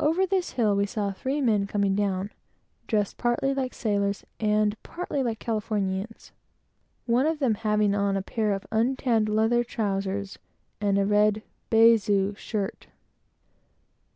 Over this hill we saw three men coming down, dressed partly like sailors and partly like Californians; one of them having on a pair of untanned leather trowsers and a red baize shirt.